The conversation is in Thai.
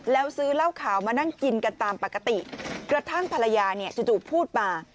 แล้วซื้อเหล้าขาวมานั่งกินกันตามปกติกระทั่งภรรยาเนี่ยจู่พูดมา